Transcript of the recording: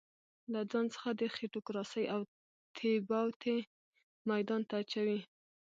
له ځان څخه د خېټوکراسۍ اوتې بوتې ميدان ته اچوي.